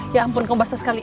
ya ampun kumpasnya sekali